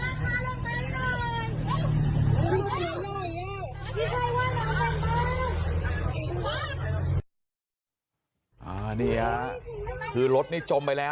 ก็สร้างไว้ได้เลย